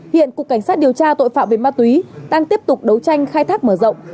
hiện cục cảnh sát điều tra tội phạm về ma túy đang tiếp tục đấu tranh khai thác mở rộng